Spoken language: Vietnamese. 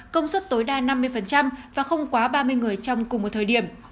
công suất tối đa năm mươi và không quá ba mươi người trong cùng một thời điểm